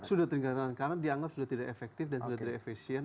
sudah tergerak tangan karena dianggap sudah tidak efektif dan sudah tidak efisien